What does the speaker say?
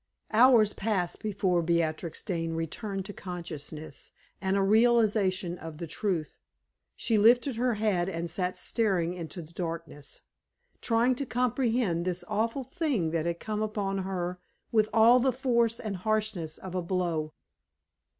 Hours passed before Beatrix Dane returned to consciousness and a realization of the truth. She lifted her head and sat staring into the darkness, trying to comprehend this awful thing that had come upon her with all the force and harshness of a blow.